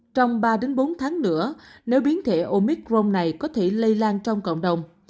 trong ba đến bốn tháng nữa nếu biến thể omicron này có thể lây lan trong cộng đồng